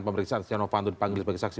pemeriksaan stiano fanto dipanggil sebagai saksi